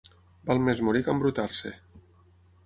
Val més morir que embrutar-se.